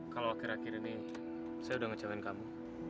kalau akhir akhir ini saya udah ngejawain kamu